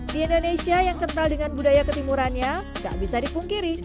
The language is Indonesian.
di indonesia yang kental dengan budaya ketimurannya tak bisa dipungkiri